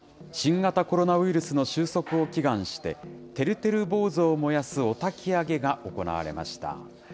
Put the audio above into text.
新型コロナウイルスの終息を祈願して、てるてる坊主を燃やすお焚き上げが行われました。